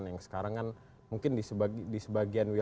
yang sekarang kan mungkin di sebagian wilayah